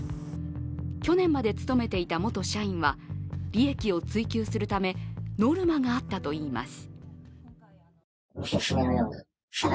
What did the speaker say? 去年まで勤めていた元社員は利益を追求するためノルマがあったといいます。